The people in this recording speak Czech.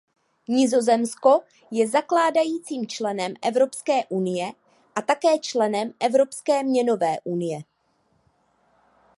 Nizozemsko je zakládajícím členem Evropské unie a také členem Evropské měnové unie.